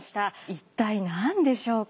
一体何でしょうか。